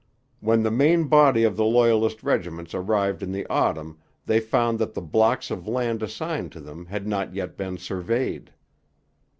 When the main body of the Loyalist regiments arrived in the autumn they found that the blocks of land assigned to them had not yet been surveyed.